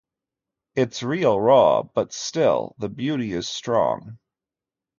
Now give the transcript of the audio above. It's real raw, but still the beauty is strong.